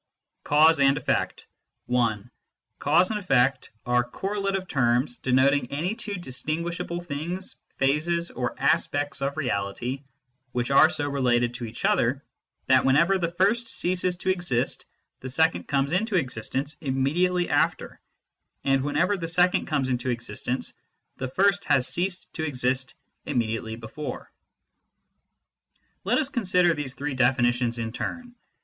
..." CAUSE AND EFFECT, (i) Cause and effect ... are correlative terms denoting any two distinguish able things, phases, or aspects of reality, which are so related to each other that whenever the first ceases to exist the second comes into exist ence immediately after, and whenever the second comes into existence the first has ceased to exist immediately before/ Let us consider these three definitions in turn.